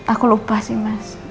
aku lupa sih mas